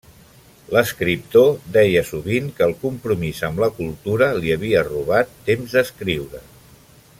L'escriptor deia sovint que el compromís amb la cultura li havia robat temps d'escriure.